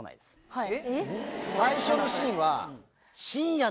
はい。